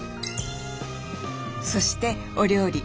そしてお料理。